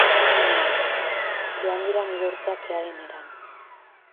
Joan dira nire urteak kearen eran.